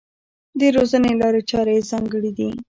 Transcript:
د روزنې لارې چارې یې ځانګړې دي.